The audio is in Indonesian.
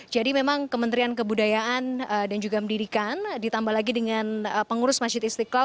jadi memang kementerian kebudayaan dan juga pendidikan ditambah lagi dengan pengurus masjid istiqlal